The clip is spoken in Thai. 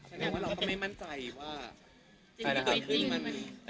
ฉะนั้นเราก็ไม่มั่นใจว่าจริงขึ้นมัน